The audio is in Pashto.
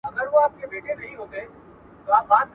زه به د کتابتون لپاره کار کړي وي؟